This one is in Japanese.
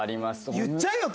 言っちゃえよと？